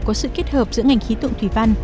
có sự kết hợp giữa ngành khí tượng thủy văn